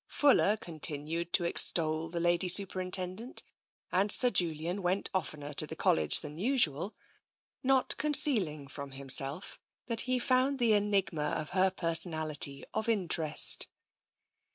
Fuller continued to extol the Lady Superintendent, and Sir Julian went oftener to the College than usual, not concealing from himself that he found the enigma of her personality of interest.